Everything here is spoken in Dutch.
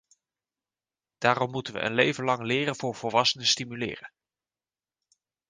Daarom moeten we een leven lang leren voor volwassenen stimuleren.